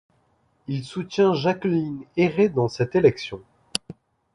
Il soutient Jacqueline Héré dans cette élection.